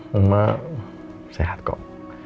mamah sehat kok